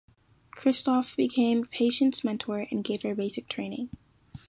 Kristof became Patience's mentor and gave her basic training.